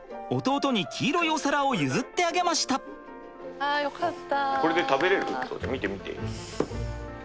あよかった。